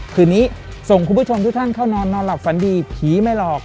คืนนี้ส่งคุณผู้ชมทุกท่านเข้านอนนอนหลับฝันดีผีไม่หลอก